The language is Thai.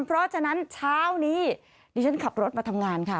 เพราะฉะนั้นเช้านี้ดิฉันขับรถมาทำงานค่ะ